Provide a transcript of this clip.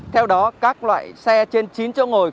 theo đó các loại xe trên chín chỗ ngồi